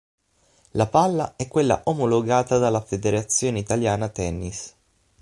La palla è quella omologata dalla Federazione Italiana Tennis.